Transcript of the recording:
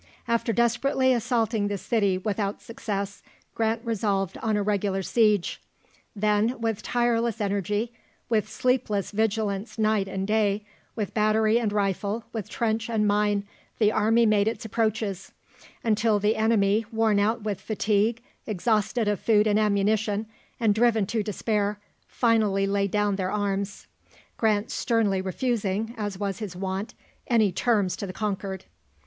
After desperately assaulting the city without success, Grant resolved on a regular siege. "Then, with tireless energy, with sleepless vigilance night and day, with battery and rifle, with trench and mine, the army made its approaches, until the enemy, worn out with fatigue, exhausted of food and ammunition, and driven to despair, finally laid down their arms," Grant sternly refusing, as was his wont, any terms to the conquered.